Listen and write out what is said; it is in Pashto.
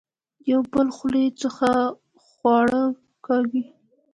د يو بل خولې څخه خواړۀ کاږي